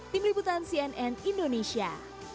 tim ributan cnn indonesia